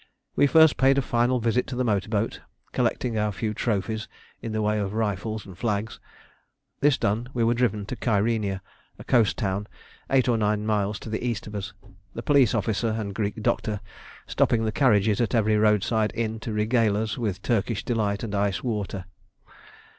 We first paid a final visit to the motor boat, collecting our few trophies in the way of rifles and flags. This done, we were driven to Kyrenia, a coast town eight or nine miles to the east of us: the police officer and Greek doctor stopping the carriages at every roadside inn to regale us with Turkish delight and iced water.